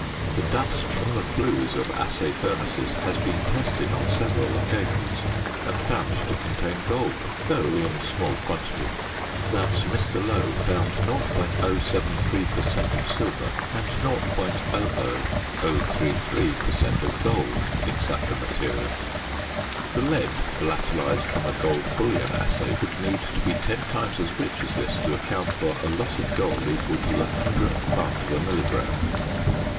The dust from the flues of assay furnaces has been tested on several occasions and found to contain gold, though in small quantity. Thus Mr. Lowe found .073 per cent. of silver and .00033 per cent. of gold in such a material. The lead volatilised from a gold bullion assay would need to be ten times as rich as this to account for a loss of gold equal to the hundredth part of a milligram.